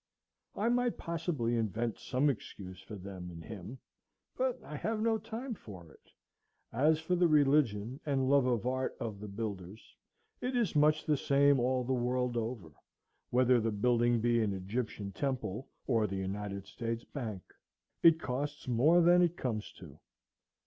I might possibly invent some excuse for them and him, but I have no time for it. As for the religion and love of art of the builders, it is much the same all the world over, whether the building be an Egyptian temple or the United States Bank. It costs more than it comes to.